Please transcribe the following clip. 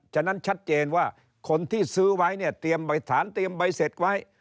จากนั้นชัดเจนว่าคนที่ซื้อไว้เนี่ยสารเตรียมใบเสร็จไว้